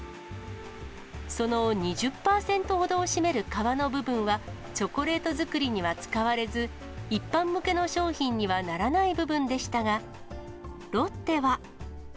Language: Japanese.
その２０％ほどを占める皮の部分は、チョコレート作りには使われず、一般向けの商品にはならない部分でしたが、ロッテは。